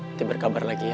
nanti berkabar lagi ya